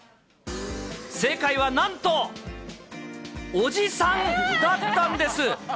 正解はなんと、おじさんだったんです。